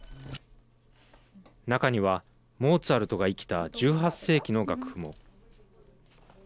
中には、モーツァルトが生きた１８世紀の楽譜も。